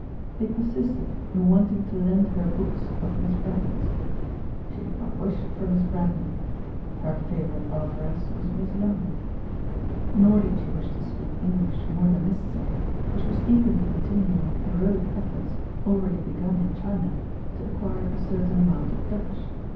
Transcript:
They persisted in wanting to lend her books of l^iss Braddon's. She did not wish for Miss Braddon. Her favourite authoress was Miss Yonge. Nor did sh6 wish to speak English more than necessary, for she was eagerly continuing heroic efforts, already begun in China, to acquire a certain amount of Dutch.